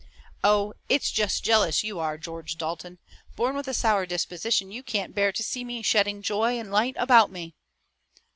"Oh, it's just jealous you are, George Dalton. Born with a sour disposition you can't bear to see me shedding joy and light about me."